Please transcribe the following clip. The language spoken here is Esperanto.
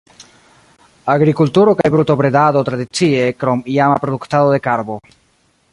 Agrikulturo kaj brutobredado tradicie, krom iama produktado de karbo.